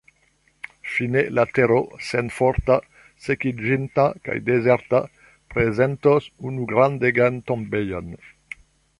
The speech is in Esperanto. Fine la tero, senforta, sekiĝinta kaj dezerta, prezentos unu grandegan tombejon.